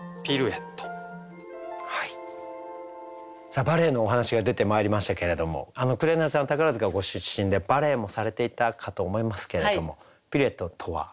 さあバレエのお話が出てまいりましたけれども紅さんは宝塚ご出身でバレエもされていたかと思いますけれどもピルエットとは？